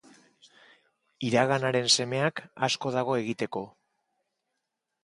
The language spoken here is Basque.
Iraganaren semeak, asko dago egiteko.